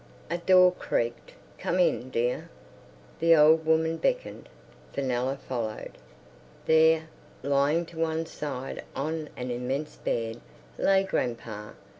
A door creaked. "Come in, dear." The old woman beckoned, Fenella followed. There, lying to one side on an immense bed, lay grandpa.